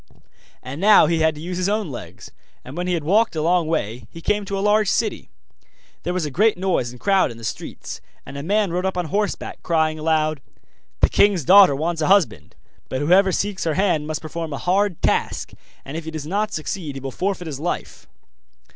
And now he had to use his own legs, and when he had walked a long way, he came to a large city. There was a great noise and crowd in the streets, and a man rode up on horseback, crying aloud: 'The king's daughter wants a husband; but whoever seeks her hand must perform a hard task, and if he does not succeed he will forfeit his life.